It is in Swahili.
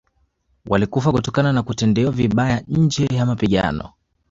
Walikufa kutokana na kutendewa vibaya nje ya mapigano